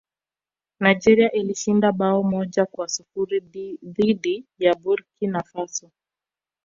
nigeria ilishinda bao moja kwa sifuri dhidi ya burki na faso